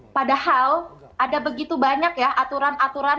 terus padahal ada begitu banyak ya aturan yang dikeluarkan